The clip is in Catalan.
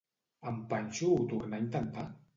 En Panxo ho tornà a intentar?